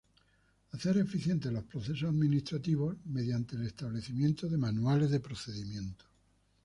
Hacer eficientes los procesos administrativos, mediante el establecimiento de manuales de procedimientos.